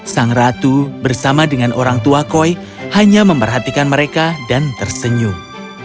sang ratu bersama dengan orang tua koi hanya memperhatikan mereka dan tersenyum